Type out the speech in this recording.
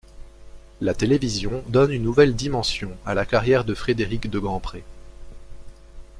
La télévision donne une nouvelle dimension à la carrière de Frédérick De Grandpré.